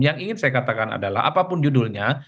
yang ingin saya katakan adalah apapun judulnya